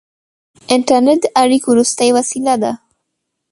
• انټرنېټ د اړیکو وروستۍ وسیله ده.